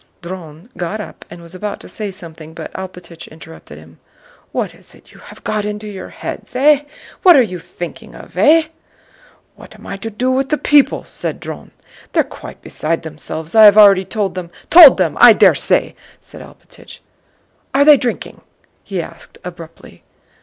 Dron got up and was about to say something, but Alpátych interrupted him. "What is it you have got into your heads, eh?... What are you thinking of, eh?" "What am I to do with the people?" said Dron. "They're quite beside themselves; I have already told them..." "'Told them,' I dare say!" said Alpátych. "Are they drinking?" he asked abruptly.